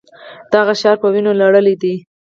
دغه ښار په وینو لړلی دی.